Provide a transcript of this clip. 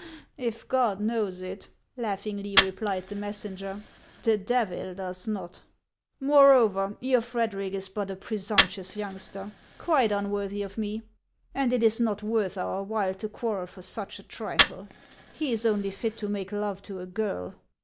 "If God knows it," laughingly replied the messenger, " the Devil does not. Moreover, your Frederic is but a presumptuous youngster, quite unworthy of me, and it is not worth our while to quarrel for such a trifle. He is only fit to make love to a girl.